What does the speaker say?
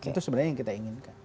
itu sebenarnya yang kita inginkan